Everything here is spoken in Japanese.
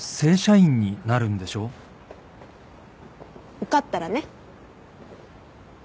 受かったらね。